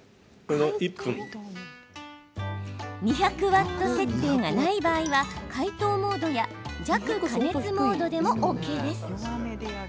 ２００ワット設定がない場合は解凍モードや弱加熱モードでもＯＫです。